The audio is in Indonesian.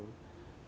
dan di asia tenggara